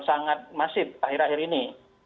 sangat masif akhir akhir ini